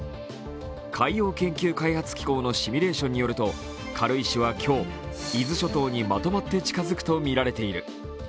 海洋研究開発機構のシミュレーションによると軽石は今日、伊豆諸島にまとまって近づくとみられている。